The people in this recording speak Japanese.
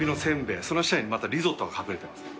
その下にまたリゾットが隠れてます。